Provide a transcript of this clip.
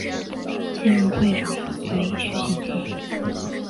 现任会长为余锦基。